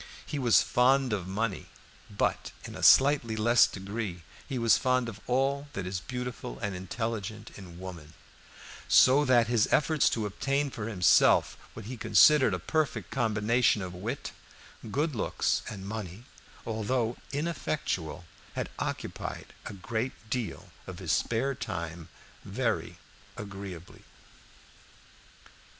He was fond of money; but in a slightly less degree he was fond of all that is beautiful and intelligent in woman; so that his efforts to obtain for himself what he considered a perfect combination of wit, good looks, and money, although ineffectual, had occupied a great deal of his spare time very agreeably.